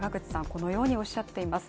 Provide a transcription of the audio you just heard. このようにおっしゃっています。